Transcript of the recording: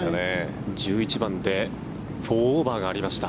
１１番で４オーバーがありました。